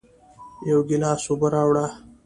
یو گیلاس اوبه راوړه